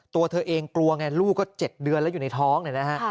ตัวเธอเองกลัวไงลูกก็๗เดือนแล้วอยู่ในท้องเนี่ยนะฮะ